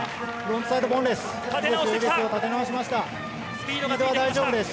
スピードは大丈夫です。